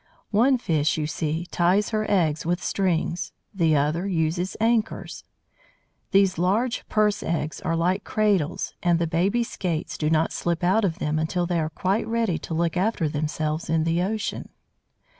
One fish, you see, ties her eggs with strings, the other uses anchors. These large "purse eggs" are like cradles, and the baby Skates do not slip out of them until they are quite ready to look after themselves in the ocean.